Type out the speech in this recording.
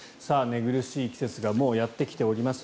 寝苦しい季節がもうやってきております。